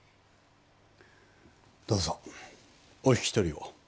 どうぞお引き取りを。